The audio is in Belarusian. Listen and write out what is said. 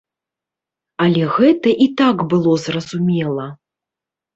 Але гэта і так было зразумела.